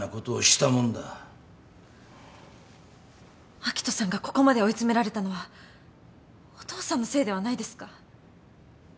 明人さんがここまで追い詰められたのはお父さんのせいではないですか？